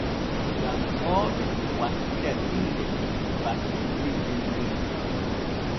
Janŋooɓe wattira inne e battitirgel mum.